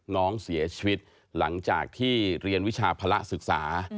น้องเสียชีวิตหลังจากที่เรียนวิชาภาระศึกษา